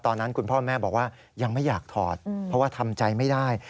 ตอนนั้นคุณพ่อแม่บอกว่ายังไม่อยากถอดเพราะว่าทำใจไม่ได้